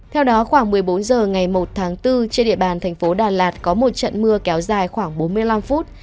theo đó khoảng một mươi bốn h ngày một bốn trên địa bàn tp đà lạt có một trận mưa kéo dài khoảng bốn mươi năm phút